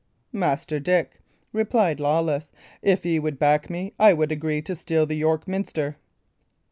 "Master Dick," replied Lawless, "if ye would back me, I would agree to steal York Minster."